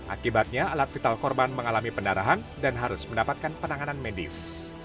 akibatnya alat vital korban mengalami pendarahan dan harus mendapatkan penanganan medis